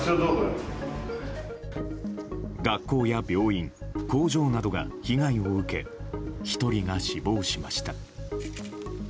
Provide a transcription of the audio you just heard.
学校や病院工場などが被害を受け１人が死亡しました。